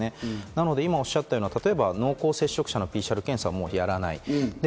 残念ながら、今おっしゃったような濃厚接触者のＰＣＲ検査をもうやらない。